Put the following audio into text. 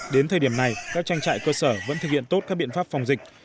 đến thời điểm này các trang trại cơ sở vẫn thực hiện tốt các biện pháp phòng dịch